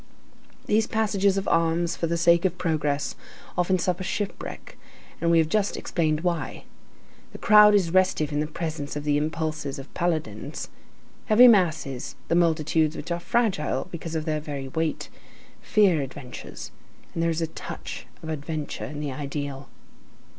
These passages of arms for the sake of progress often suffer shipwreck, and we have just explained why. The crowd is restive in the presence of the impulses of paladins. Heavy masses, the multitudes which are fragile because of their very weight, fear adventures; and there is a touch of adventure in the ideal.